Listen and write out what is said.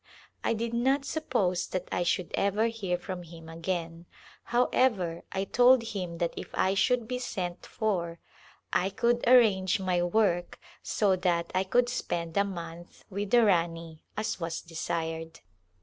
I did not suppose that I should ever hear from him again ; however I told him that if I should be sent for I could arrange my work so that I could spend a month with the Rani as was desired.